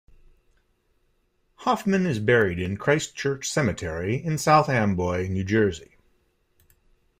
Hoffman is buried in Christ Church Cemetery in South Amboy, New Jersey.